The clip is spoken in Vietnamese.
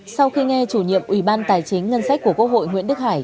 sau khi nghe chủ nhiệm ủy ban tài chính ngân sách của quốc hội nguyễn đức hải